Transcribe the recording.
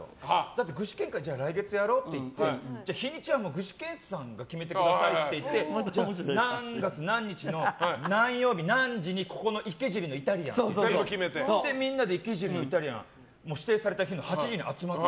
具志堅会、来月やろうって言って日にちは具志堅さんが決めてくださいって言って何月何日の何曜日、何時にここの池尻のイタリアンって決めてみんなで池尻のイタリアンに指定された日の８時に集まって。